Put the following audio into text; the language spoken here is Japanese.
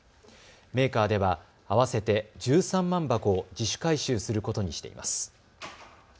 メーカーでは合わせて１３万箱を自主回収することにしています。